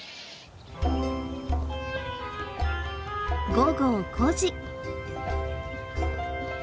午後５時。